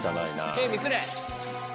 Ｋミスれ！